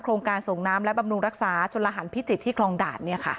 โครงการส่งน้ำและบำรุงรักษาชนรหัสพิจิตรที่คลองด่านเนี่ยค่ะ